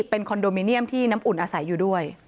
เป็นคอนโดมิเนียมที่น้ำอุ่นอาศัยอยู่ด้วย